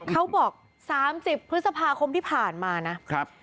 เขาบอก๓๐พฤษภาคมที่ผ่านมานะครับ